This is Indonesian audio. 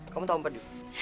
kamu tau pedu